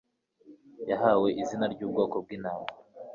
Yahawe Izina ryubwoko bwintama